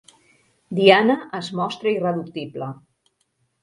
Diana es mostra irreductible.